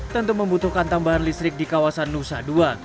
tentu membutuhkan tambahan listrik di kawasan nusa dua